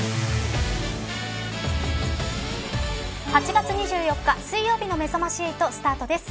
８月２４日水曜日のめざまし８スタートです。